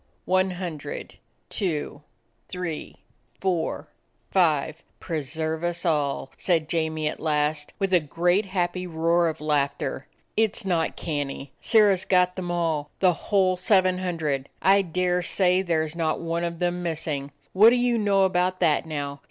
"One hundred, two, three, four, five. Pre serve us all!" said Jamie at last, with a great, happy roar of laughter. "It 's not canny. Sirrah 's got them all, the whole seven hun dred! I dare say there 's not one of them missing! What do you know about that now?